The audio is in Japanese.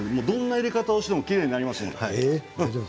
どんな入れ方をしてもきれいになります。